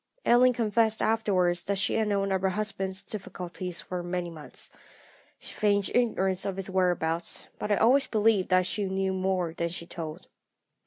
"Ellen confessed afterwards that she had known of her husband's difficulties for many months. She feigned ignorance of his whereabouts, but I always believed that she knew more than she told.